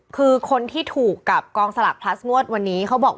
คือคนที่ถูกกับกองสลากพลัสงวดวันนี้เขาบอก